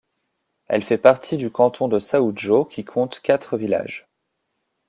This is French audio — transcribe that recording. Elle fait partie du canton de Saoudjo qui compte quatre villages.